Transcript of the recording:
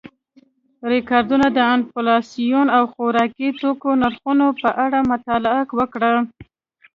ریکارډو د انفلاسیون او خوراکي توکو نرخونو په اړه مطالعه وکړه